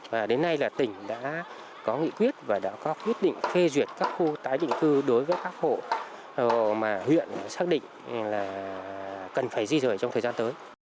và đến nay là tỉnh đã có nghị quyết và đã có quyết định phê duyệt các khu tái định cư đối với các hộ mà huyện xác định là cần phải di rời trong thời gian tới